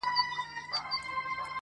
وریځو خو ژړله نن اسمان راسره وژړل٫